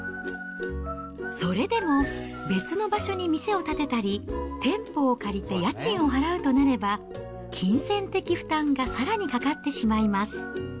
それでも別の場所に店を建てたり、店舗を借りて家賃を払うとなれば、金銭的負担がさらにかかってしまいます。